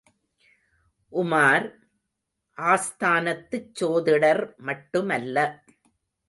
உமார், ஆஸ்தானத்துச் சோதிடர் மட்டுமல்ல.